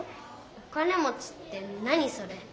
「お金もち」って何それ？